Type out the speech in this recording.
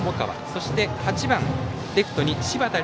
そして８番、レフトに柴田怜